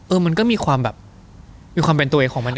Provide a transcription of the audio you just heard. มันก็มีความแบบมีความเป็นตัวเองของมัน